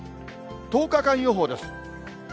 １０日間予報です。